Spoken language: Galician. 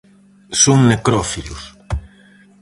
Son necrófilos.